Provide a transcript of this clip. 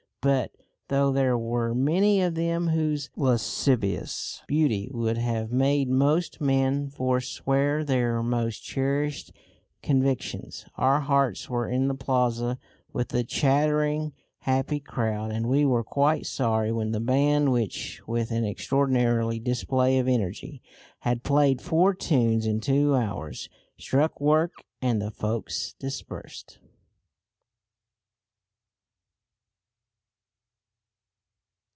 But though there were many of them whose lascivious beauty would have made most men forswear their most cherished convictions, our hearts were in the plaza with the chattering, happy crowd, and we were quite sorry when the band, which, with an extraordinary display of energy, had played four tunes in two hours, struck work and the folks dispersed.